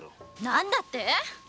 なんだって！